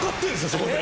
そこで。